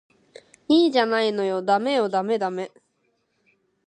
いいじゃないのダメよダメダメ